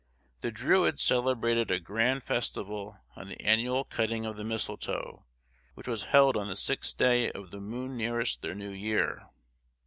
The Druids celebrated a grand festival on the annual cutting of the misletoe, which was held on the sixth day of the moon nearest their new year.